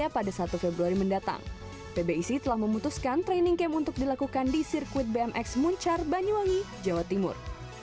pada hari ini pbi c telah memutuskan untuk melakukan training camp di sirkuit bmx muncar banyuwangi jawa timur